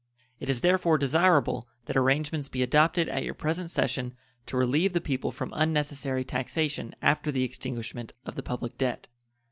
It is therefore desirable that arrangements be adopted at your present session to relieve the people from unnecessary taxation after the extinguishment of the public debt.